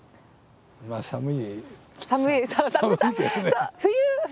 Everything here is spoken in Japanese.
まあ寒い。